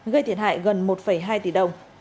gây thiệt hại gần một hai tỷ đồng